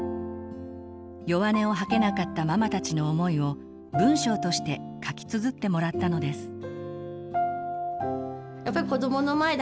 弱音を吐けなかったママたちの思いを文章として書きつづってもらったのです。